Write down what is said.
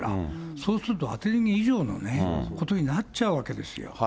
そうすると当て逃げ以上のことになっちゃうわけですよ。